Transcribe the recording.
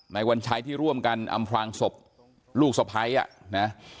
นายวัญชัยที่ร่วมกันอำพรางศพลูกศพฮัยอะนะ